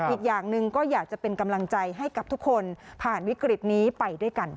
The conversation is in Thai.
อีกอย่างหนึ่งก็อยากจะเป็นกำลังใจให้กับทุกคนผ่านวิกฤตนี้ไปด้วยกัน